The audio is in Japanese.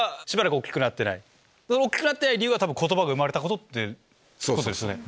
大きくなってない理由が言葉が生まれたことってことですね。